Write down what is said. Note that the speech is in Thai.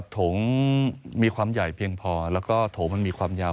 ถงมีความยายเพียงพอและถงมีความยาว